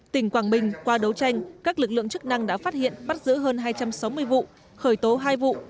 tỉnh quảng bình qua đấu tranh các lực lượng chức năng đã phát hiện bắt giữ hơn hai trăm sáu mươi vụ khởi tố hai vụ